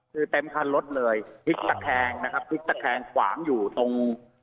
คือเต็มคันรถเลยพลิกตะแคงนะครับพลิกตะแคงขวางอยู่ตรง